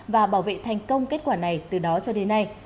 và bảo vệ thành công kết quả này từ đó cho đến nay